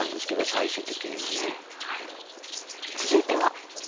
最終的にはね。続いては。